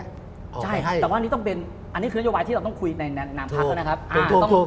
ใช่ครับแต่ว่าอันนี้ต้องเป็นอันนี้คือนโยบายที่เราต้องคุยในนามพักแล้วนะครับ